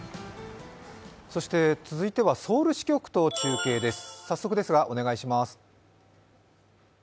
そして、続いてはソウル支局と中継です。